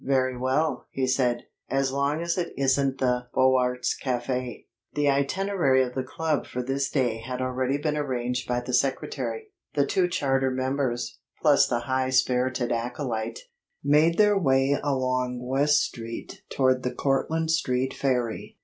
Very well, he said; as long as it isn't the Beaux Arts café. The itinerary of the club for this day had already been arranged by the secretary. The two charter members, plus the high spirited acolyte, made their way along West Street toward the Cortlandt Street ferry.